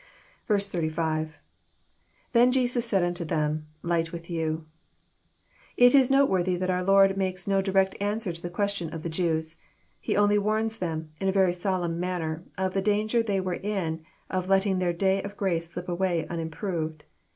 " i 85.[77^n Jestis said unto them. Mght toith you,'] It is noteworthy that our Lord makes no direct answer to the question of the Jews. He only warns them, in a very solemn manner, of the danger they were in of letting their day of grace slip away un improved.